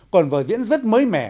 còn vở diễn rất mới mẻ